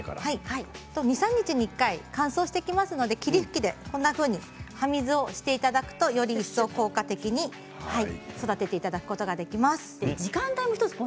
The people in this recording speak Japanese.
２、３日に１回乾燥してきますので霧吹きで葉水をしていただくとより一層効果的に育てていただくことができます。